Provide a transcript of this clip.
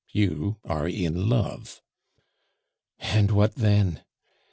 You are in love." "And what then?"